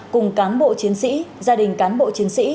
cùng cán bộ chiến sĩ gia đình cán bộ chiến sĩ